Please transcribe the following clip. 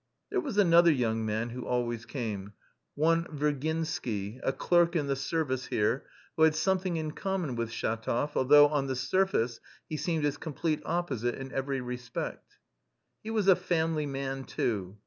There was another young man who always came, one Virginsky, a clerk in the service here, who had something in common with Shatov, though on the surface he seemed his complete opposite in every respect. He was a "family man" too.